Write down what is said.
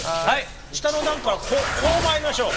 下の段からこう参りましょう。